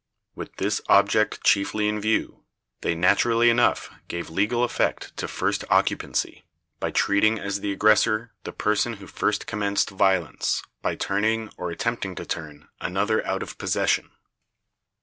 With this object chiefly in view, they naturally enough gave legal effect to first occupancy, by treating as the aggressor the person who first commenced violence, by turning, or attempting to turn, another out of possession.